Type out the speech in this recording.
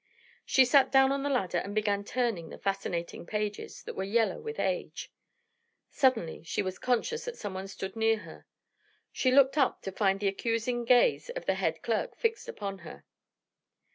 She sat down on the ladder and began turning the fascinating pages that were yellow with age. Suddenly she was conscious that someone stood near her. She looked up to find the accusing gaze of the head clerk fixed upon her.